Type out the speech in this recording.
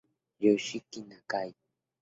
Yoshiki Nakai